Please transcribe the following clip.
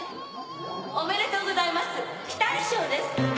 おめでとうございますピタリ賞です！